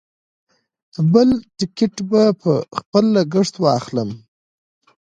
بل ټکټ به په خپل لګښت واخلم.